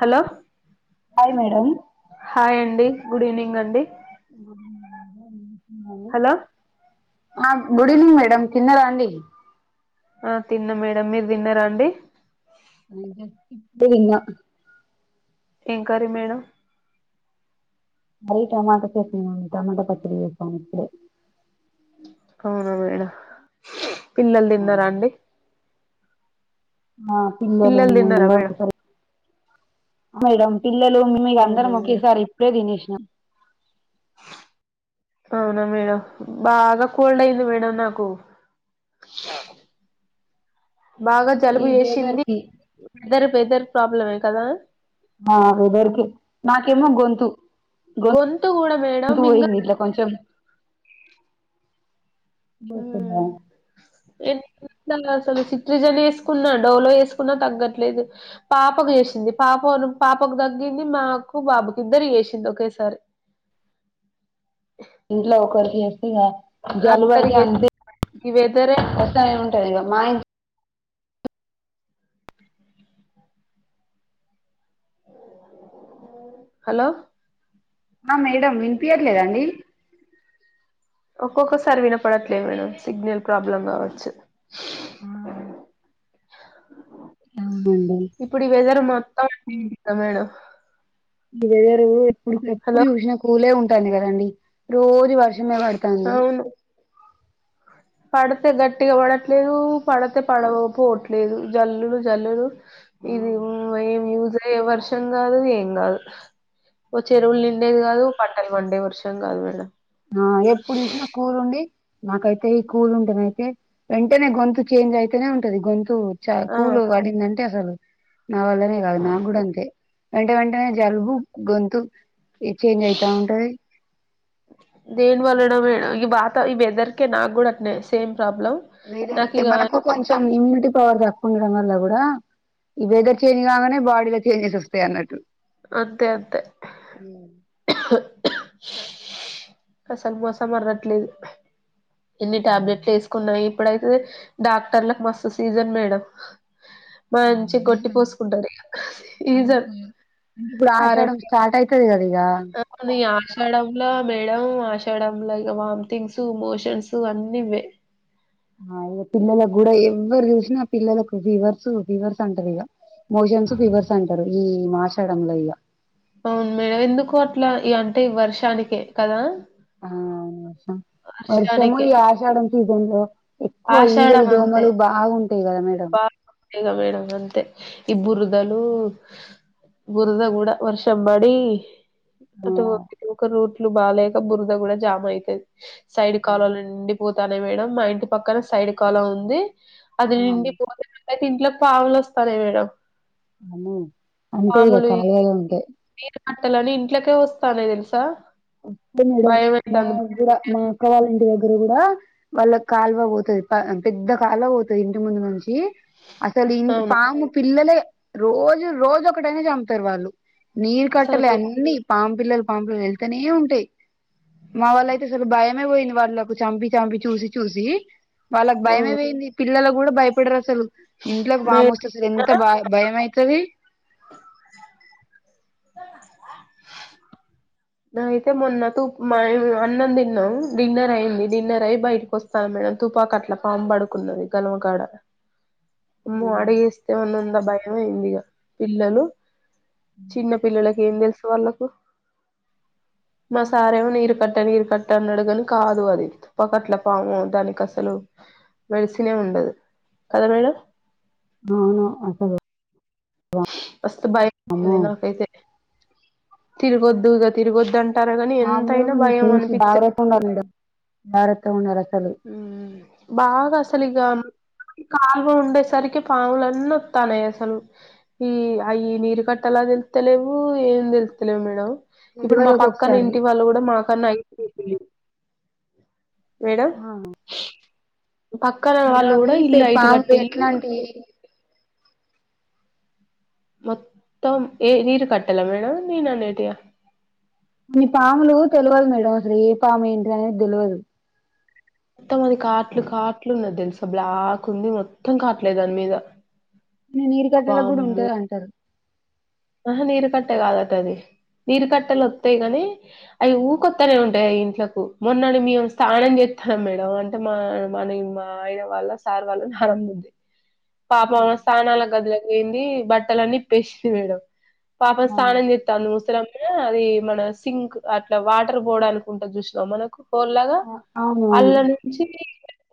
Hello hi madam hi అండి good evening అండి hello ఆ గుడ్ ఈవనింగ్ మేడం తిన్నరా అండి ఆ తిన్నా మేడం మీరు తిన్నారా అండి ఇప్పుడె తిన్న ఏం కర్రీ మేడం మది టమాటా చట్నీ మేడం టమాట పచ్చడి చేసినం ఇప్పుడే అవునా మేడం పిల్లల్ తిన్నారా అండి ఆ పిల్లలు మేము తిన్నారా అందరం మేడం ఒకసారె మేడమ్ పిల్లలు మేము అవునా అందరం మేడం ఒకేసారి ఇప్పుడే తినేసినాం అవునా మేడం బాగా కోల్డ్ అయింది మేడం నాకు బాగా ఈ జలుబు వెదర్ వేసింది కి వెదర్ వెదర్ ప్రాబ్లమే కదా ఆ వెదర్ కి నాకేమో గొంతు కొ గొంతు కూడా కొంతు మేడం మింగ పోయింది ఇట్లా కొంచం బుద్ధుందా ఏ అసలు సిత్రిజన్ వేసుకున్నా డోలో వేసుకున్నా తగ్గట్లేదు పాపకు చేసింది పాప పాపకు తగ్గింది మాకు బాబుకి ఇద్దరు చేసింది ఒకేసారి ఇంట్లో ఒకరి చేస్తే ఇగ జలుబు అందరికి అయితే చేసింది అంతే ఈ వెదరే వస్తానె ఉంటుంది ఇగ మా హలో ఆ మేడం వినిపియ్యట్లేదండి ఒక్కొక్కసారి వినపడట్లేదు మేడం సిగ్నల్ ప్రాబ్లం కావచ్చు ఆ ఆ అవునండి ఇప్పుడు ఈ వెదర్ మొత్తం అంతె మేడం ఇ వెదర్ రు ఎప్పుడు ఎప్పుడు హలో చూసినా కూల్ ఏ ఉంటుంది కదండి రోజు వర్షమే పడుతు అవును పడితే గట్టిగా పడట్లేదు పడితే పడవపోవట్లేదు జల్లులు జల్లులు ఆ ఇది అవును. ఏం యూస్ అయ్యే వర్షం కాదు ఏం కాదు ఓ చెరువులు నిండేది కాదు పంటలు పండే వర్షం కాదు మేడ ఆ ఎప్పుడు చూసినా కూరుండి నాకైతే ఈ కూల్ ఉంటది అయితే వెంటనే గొంతు చేంజ్ అయితేనే ఉంటది గొంతు. చ ఆ కూలు ఆడిందంటే అసలు నా వల్లనే కాదు నా కూడా అంతే. వెంట వెంటనే జలుబు గొంతు చేంజ్ అయితా ఉంటది. దేని వలన మేడం ఈ వాత ఈ వెదర్కే నాకు కూడా అనే సేమ్ ప్రాబ్లం. వేరే నాకు ఇగ మనకు కొంచెం ఇమ్యూనిటీ పవర్ తక్కువ ఉండడం వల్ల కూడా. ఈ వదర్ చేంజ్ కాగానే బాడీలో చేంజెస్ వస్తాయి అన్నట్టు. అంతే అంతే ఉ అసలు మోసం అరగట్లేదు. ఎన్ని టాబ్లెట్లు వేసుకున్నాయి ఇప్పుడైతే డాక్టర్లలకు మస్తు సీజన్ మేడం. మంచి గట్టి పోసుకుంటారు సీజన్ ఇప్పుడు ఆషాఢం ఆర్ఎంపి స్టార్ట్ అయితది కదా ఇగ ఆది ఆశాడంలో మేడం ఆశడంలో ఇగ వామ్థింగ్స్ మోషన్స్ అన్నివే. ఆ ఇక పిల్లలకు కూడా ఎవ్వరు చూసినా పిల్లలకు ఫీవర్స్ ఫీవర్స్ అంటరు ఇగ మోషన్స్ ఫివర్స్ అంటారు ఈ మాశాడంలో ఇగ. అవును మేడం ఎందుకో అట్లా ఇగ అంటే ఈ వర్షానికి కదా. ఆ వర్షము వర్షానికే. ఈ ఆషాడం సీజన్లో. ఎక్కువ ఈగలు ఆషాఢం దోమలు బాగుంటాయి కదా మేడం. ఇగ మేడం అంతే ఈ బురదలు. బురద కూడా వర్షం పడి. ఆ అటు ఒక ఒక రూట్లు బాలేక బురద కూడా జామ్ అయితది సైడ్ అవును కాలావలు నిండి పోతానే మేడం మా ఇంటి పక్కన సైడ్ కాలం ఉంది అది అవును నిండి. అయితే ఇంట్లో పావులేస్తలే మేడమ్ అవును అంటే ఇగ కాలువలో ఉంటాయ్ అట్టలని ఇంట్లోకే వస్తానాయ్ తెలుసా. మొత్తం మేడం మా భయమైతాంది. కూడా మా అక్క వాళ్ళ ఇంటి దగ్గర కూడా. వాళ్ళ కాలువ పోతది పెద్ద కాలువ పోతది ఇంటి ముందు నుంచి. అసలు ఇ అవును. పాము పిల్లలే రోజు రోజు ఒకటైనా చంపుతారు వాళ్ళు. నీరు కట్టలే అసలు అన్ని పాంపిల్లలు పాంపులు వెళ్తనే ఉంటాయి. మా వాళ్ళ అయితే అసలు భయమే పోయింది వాళ్ళలకు చంపి చంపి చూసి చూసి. వాళ్ళకి భయమే పోయింది పిల్లలు కూడా భయపడరు అసలు ఇంట్లోకి మే బామ వస్తె. ఎంత భ భయం అయితది. స అయితే మొన్న తూ మా ఆయన అన్నం తిన్నాం డిన్నర్ అయింది డిన్నర్ అయి బయటకి వస్త మేడం తుపాక అట్లా పా పడుకున్నది గలవకాడ. అమ్మో అడగేస్తే ఉన్నంద భయ అయింది ఇక పిల్లలు. చిన్న పిల్లలకి ఏం తెలుసు వాళ్ళకు. మా సారేమో నీరు కట్ట నీరు కట్ట అన్నాడుగాని కాదు అది. పకట్ల పాము దానికి అసలు మెడిసినే ఉండదు కదా మేడం. అవును అంతేగ మస్తు బయ్ అమ్మో మైంది నాకైతే. తిరిగొద్దు ఇగ తిరిగొద్దు అంటారా కాని ఎంతైనా భయం అనిపిస్త ఉండారు మేడం భారతు ఉండారసలు. ఉమ్మ్ బాగా అసలు ఇగ ఈ కాల్వ ఉండేసరికి పాములన్నీ వత్తనాయ్ అసలు ఈ అయి నీరు కట్టేలా తెలుత్తలేవు ఏం తెలుత్తలేవు మేడం ఇప్పుడు తెల్వదు మా పక్కన ఒక్కొక్కసారి ఇంటి వాళ్ళు కూడా మాకన్నా హైట్ లేపిళ్ళు మేడ పక్కన వాళ్ళు కూడా ఇల్లు హైట్ గట్టిల్లు అంటే మొత్తం ఏ నీరు కట్టేలా మేడం నేను అనేటియా కొన్ని పాములు తెలువదు మేడం అసలు ఏ పాము ఏంటిది అనేది తెలువదు త్తం అది కాట్లు కాట్లు ఉన్నది తెలుసా బ్లాక్ ఉంది మొత్తం కాట్లే దాని మీద నే నీరు కట్టేలకు కూడా వామ్మో ఉంటాది అంటారు ఆహా నీరు కట్టే కాదట అది నీరు కట్టెలు వత్తాయి గాని అయి ఊకొత్తనే ఉంటాయి అయి ఇంట్లకు మొన్నడు మేము స్నానం చేత్తున్నాం మేడం మా మన మా ఆయన వాళ్ళ సార్ వాళ్ళ నానమ్మ ఉంది పాపం ఆ స్థానాల గదిలోకి పోయింది బట్టలన్నీ ఇప్పేసింది మేడం పాపం స్థానం చె తను ముసలామె అది మన సింక్ అట్లా వాటర్ పోడానికి ఉంటది చూసినావ మనకు హోల్ లాగా అవునవును అల్లనే నుంచి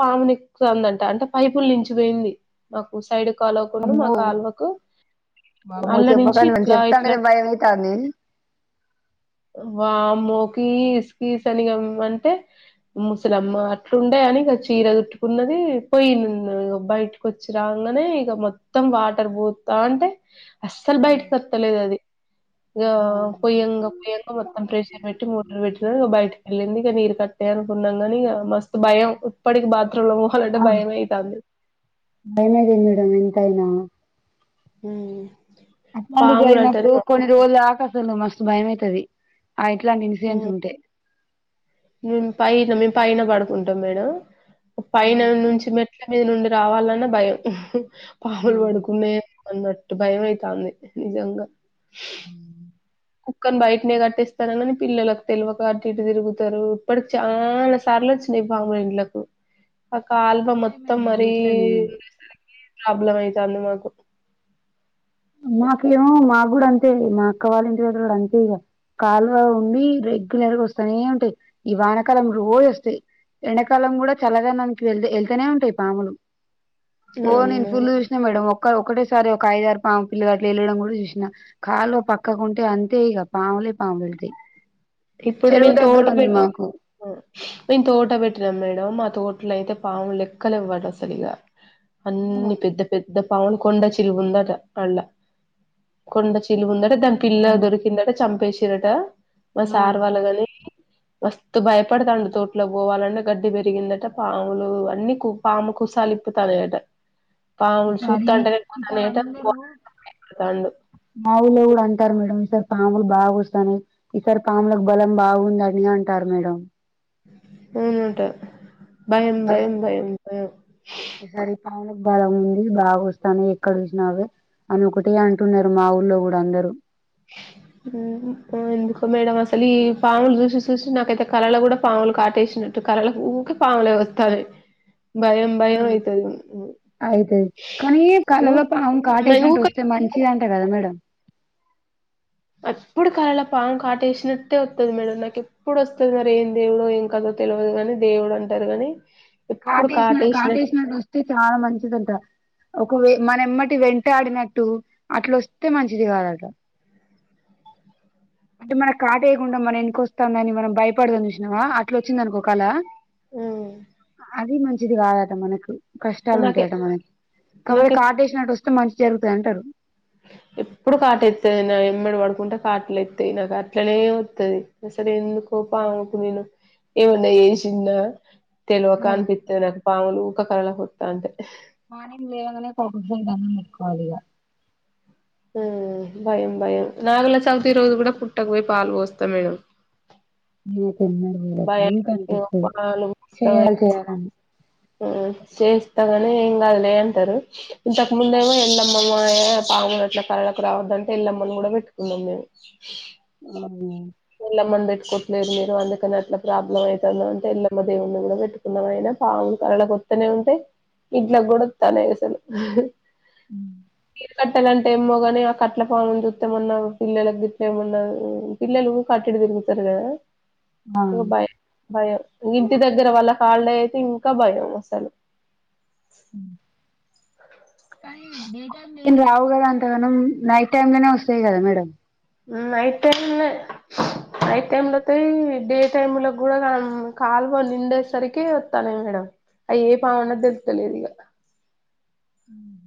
పాముని ఎక్కుతుందంట అంటే పైపులు నించిపోయింది మాకు సైడ్ కాలవ్వకుండా మా అమ్మో కాలువకు అల్ల నుంచి నువ్వు ఇట్లా ఇట్లా చెప్తాంటేనే భయమైతాంది వామో కీస్ కీస్ అని ఇగ అంటే ముసలమ్మ అట్లుండే అని ఇగ చీర చుట్టుకున్నది పోయింది బయట కొచ్చి రాంగానే ఇగ మొత్తం వాటర్ పోత్తాంటే అస్సలు బయటికి వత్తలేదు అది ఇగ పొయ్యంగా పోయంగా మొత్తం ప్రెషర్ పెట్టి మోటర్ పెట్టిన బయటికి ఎళ్ళింది ఇగ నీరు కట్టే అనుకున్నాం కాని ఇగ మస్తు భయం ఇప్పటికి బాత్రూమ్‌లో పోవాలంటే భయమే అయితాంది భయమైతాది మేడం ఎంతైనా ఉమ్మ్ అట్లాంటివి జరిగినప్పుడు కొన్ని రోజులు దాకా అసలు మస్తు భయమైతది ఆ ఇట్లాంటి హ్మ్ ఇన్సిడెంట్స్ ఉంటే మేము పైన మేము పైన పడుకుంటాం మేడం పైన నుంచి మె ట్ల మీద నుండి రావాలన్నా భయం పాములు ఉంటాయి పడుకున్నాయే అన్నట్టు భయమైతంది నిజంగా ఉమ్మ్ కుక్కని బయటనే కట్టేస్తాను కాని పిల్లలకు తెలువక అటు ఇటు తిరుగుతారు ఇప్పడాకు చాలా సార్లు వచ్చినాయి పాములు ఇంట్లొకు ఒక కాలువ మొత్తం మేడం మరీ అట్లనే ఉండేసరికి ప్రాబ్లమ్ అయితాంది మాకు మాకేమో మాక్కూడా అంతే మా అక్క వాళ్ళ ఇంటిదగ్గర కూడా అంతే ఇగ కాలువ ఉండి రెగ్యులర్‌గా వస్తానే ఉంటాయి ఈ వానకాలం రోజు వస్తాయ్ ఎండాకాలం కూడా చల్లదనానికి వెళ్ ఎళ్తనే ఉంటాయి పాములు ఓ అవును నేను ఫుల్ మేడం చూసినా మేడం ఒక్క ఒకటేసారి ఒక ఐదు ఆరు పాము పిల్లలు అట్ల ఎళ్ళడం కూడా చూసిన కాల్వ పక్కకు ఉంటే అంతే ఇగ పాములే పాములు ఎళ్తాయి ఇప్పుడు మేం తోట పె మాకు మేం తోట పెట్టినాం మేడం మా తోటలో అయితే పాములు లెక్కలేవు ఆడ అసలు ఇగ అన్ని పెద్ద పెద్ద పాములు కొండ చిలువ ఉందట అందులా కొండ చిలువు ఉం తే దాని పిల్ల దొరికిందట చంపేసిర్రట మా ఆ సార్ వాళ్ళ దాని మస్తు భయపడతాండు తోట్లోకి పోవాలన్న గడ్డి పెరిగిందటా పాములు అన్నీ కు పాము కుసాలు లిప్పుతన్నాయట పాముల్ సూతాంటనే కొతన్యయటా [unintelligible] తండు మాఊల్లో గూడా అంటార్రు మేడం ఈసారి పాములు బాగా ఒస్సయి ఈసారి పాములక్ బలం బాగుందని అంటారు మేడం అవునటా భయం బలం భయం భయం భయం ఈసారి పాముక్ బలం ఉంది బాగా ఒస్తానై ఎక్కడ జుస్నా అవే అని ఒకటే అంటున్నారు మా ఊళ్ళలో గూడా అందరూ ఉహు ఉ ఎందుకో మేడం అసల్ ఈ పాముల్ జుసి సుసి నాకైతే కలలా గూడా పావులు కాటేషినా అటు కలలక్ ఊకే పావులే ఒస్తాయి భయం భయం అయితది అయితది కానీ కలాల పావు కాటేసినట్టు ఊక ఒస్తే మంచిది అంట గదా మేడం అప్పుడు కాలాల పావు కాటేష్నట్టే ఒత్తది మేడం నాక్ ఎప్పూడు ఒస్తది మరి ఏం దేవుడో ఏం కాదో తెలువదుగని దేవుడు అంటరు గని కాటేశ్నా కాటేశ్నట్టు ఒస్తే చాలా మంచిదంట ఒకవే మనెమ్మట్టి వెంటాడినట్టూ, అట్లోస్తే మంచిదిగాదట అంటే మన కాటేయ్యకుండా మన ఎన్కొస్తందాని మనం భయ్పడ్తాం జుష్నావా అట్లా ఒచ్చిందానికో కలా ఉ ఆది మంచిది గాదట మనకు కష్టాలు నాకు ఉంటయట మనకి కాపోతే నాకు కాటేష్నట్టు ఒస్తే మంచి జరుతది అంటరు ఎప్పూడు కాటేతై నా ఎంబడి వడుకుంట కాట్లుఎత్తయి నాకు అట్లనే ఒత్తది సరే ఎందుకోపంకు నేను ఏమన్నా ఎషిన్నా తెల్వకా అన్పితది నాకు పావులు ఊక కలలకొత్త అంటే మానిగ్ లేవగానే కోకోజరి దండం బెట్కోవాలి ఆ భయం భయం నాగుల చవితి రోజు గూడా పుట్టక్వోయి పాల్ వోస్తా మేడం [unintelligible] అప్పుడు భయం ఊకె ఇగ అన్పిస్తది పాలు చేయాల్ చెయాలే అని ఉ చేస్తాగానీ ఏంగాదులే అంటారు ఇంతకు ముందేమో ఎల్లమ్మఏమో పాములు అట్ల కళలకు రావద్దంటే ఎల్లమ్మను గుడా వేట్టుకున్నాం మేము అవున ఎల్లమ్మని బేట్టుకోట్లేదు మీరు అందుకని అట్లా ప్రాబ్లం అయితంది అంటే ఎల్లమ్మ దేవున్నీ కూడా వేట్టు కున్నాం అయిన పావులు కలలకొత్తనే ఉంటై ఇంట్లోక్ గడ ఒత్తనై అసలు ఇ కట్టలు అంటే ఏమ్మో గాని ఆ కట్లా పావున్ జూతే మొన్న పిల్లలక్ గిట్లా ఏమన్నా పిల్లలు కట్డిటుతిరుతారు గదా ఆ ఇగ భయ భయ ఇంటి దగ్గర వాళ్ళక్ హాల్డే అయితే ఇంకా భయం అసలు కేన్ రావు గదా అంతగానం నైట్ టైంలానే ఒస్సాయి గదా మేడం ఆ నైట్ టైమ్లనే నైట్ టైమ్ల అత్తే డే టైమ్ లో గూడగం కాల్వ నిండేసరికి తనై మేడం అయ్యి ఏ పావన్నది తెల్తలేదు ఇగ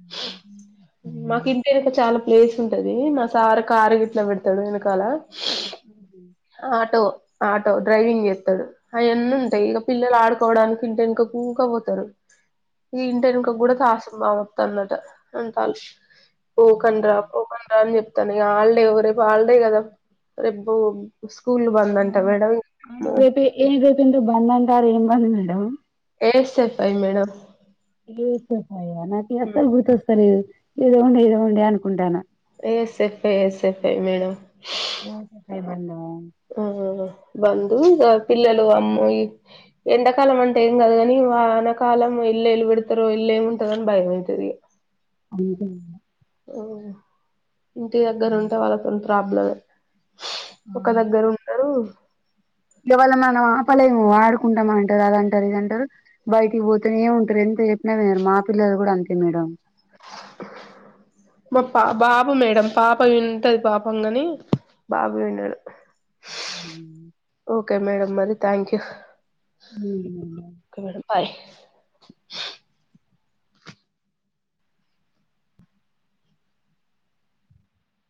[inaudible] మాక్ ఇంటెన్క చాలా ప్లేస్ ఉంటది మా సార్ కారు గీట్లా వేడ్తాడు ఎన్కాలా అీ ఆటో ఆటో డ్రైవింగ్ జేస్తాడు అయాన్నీ ఉంటై ఇగా పిల్లలు ఆడుకోవడానికి ఇంటెన్కకి ఊక వోతారూ ఈ ఇంటెన్కక్ గూడా తసుంబావు అత్తంది అట అంటల్లు పోకండ్రా పోకండ్రా అని చెప్తాను ఇక హాల్డే ఒక రేపు హల్డే కదా రేపు స్కూల్ బంద్ అంటా మేడం అవును రేపు ఏం రేపందు బంద అంటారు ఏం బంద్ madam A S F I madam A S F I నాకు అస్సలు గుర్తొస్తారలేదు ఏదో ఉండి ఏదో ఉండి అనుకుంటాను A S F I, S F I madam [unintelligible] ఆ బంద్ ఇగ పిల్లలు అమ్మాయి ఎండకాలం అంటే ఏం కాదు కాని వానకాలం ఎన్లా ఏలు పెడతారు ఎన్లో ఏమి ఉంటాధో అని భయమైతది ఇగ [unintelligible] ఇంటి దగ్గర ఉంటే వాళ్ళతోని ప్రాబ్లంమే ఒక దగ్గర ఉండరు ఇగ వాళ్ళను మనం ఆపలేము ఆడుకుంటామంటారు అదంటారు ఇదంటారు బయటికి పోతానే ఉంటారు ఎంత చెప్పినా వినరు మా పిల్లలు కూడా అంతే మేడం మా పా బాబు మేడం పాప వింటది పాపామ్ కాని బాబు వినడు ఉ [inaudible] ఓకే మేడంమ్ మరి thank you um okay madam bye